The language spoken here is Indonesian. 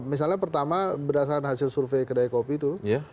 misalnya pertama berdasarkan hasil survei kedai kopi itu